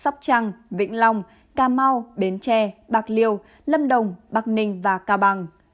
sóc trăng vĩnh long cà mau bến tre bạc liêu lâm đồng bắc ninh và cao bằng